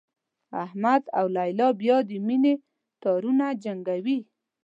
احمد او لیلا بیا د مینې تارونه جنګوي.